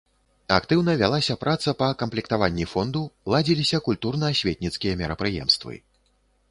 Актыўна вялася праца па камплектаванні фонду, ладзіліся культурна-асветніцкія мерапрыемствы.